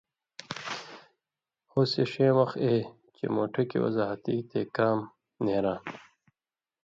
ہوسی ݜے وخت اے، چےۡ مُوٹُھکیۡ وضاحتی تے کام نېراں۔